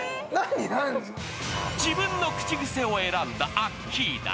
自分の口癖を選んだアッキーナ。